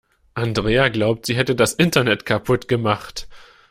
Andrea glaubt, sie hätte das Internet kaputt gemacht.